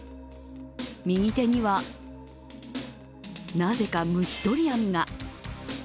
右手には、なぜか虫捕り網が。